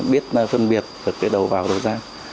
biết phân biệt được cái đầu vào đầu ra